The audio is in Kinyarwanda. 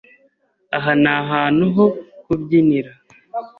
Aha ni ahantu ho kubyinira.